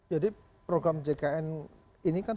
jadi program jkn ini kan